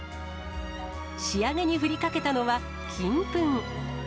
仕上げに振りかけたのは金粉。